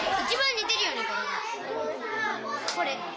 これ。